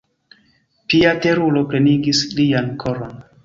Pia teruro plenigis lian koron.